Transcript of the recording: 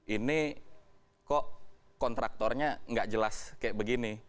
ini kok kontraktornya nggak jelas kayak begini